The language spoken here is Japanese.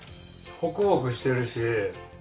ホクホクしてるし。